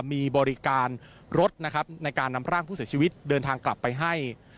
มีบริการรถนะครับในการนำร่างผู้เสียชีวิตเดินทางกลับไปให้